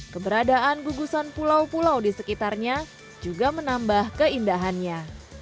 keberadaan gugusan pulau pulau di sekitarnya juga menambah keindahannya